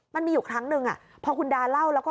มันมีอยู่ครั้งหนึ่งพอคุณดาเล่าแล้วก็